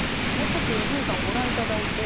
ちょっと伊集院さんご覧頂いて。